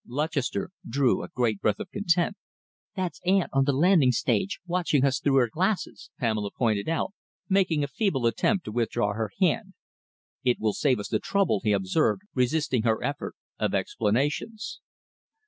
Lutchester drew a great breath of content. "That's aunt on the landing stage, watching us through her glasses," Pamela pointed out, making a feeble attempt to withdraw her hand. "It will save us the trouble," he observed, resisting her effort, "of explanations."